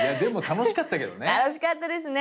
楽しかったですね。